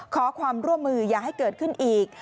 ขอความร่วมมืออย่าให้เกิดขึ้นอีก